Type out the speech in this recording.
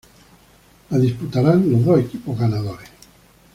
La disputarán los dos equipos ganadores.